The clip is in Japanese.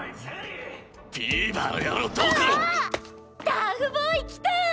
タフボーイ来た！